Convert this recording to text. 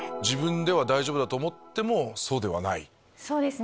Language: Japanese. そうですね。